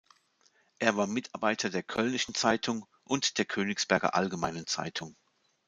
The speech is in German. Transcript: Er war Mitarbeiter der Kölnischen Zeitung und der Königsberger Allgemeinen Zeitung.